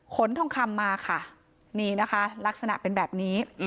ทองคำมาค่ะนี่นะคะลักษณะเป็นแบบนี้